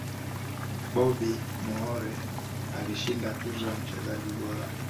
bobby Moore alishinda tuzo ya mchezaji bora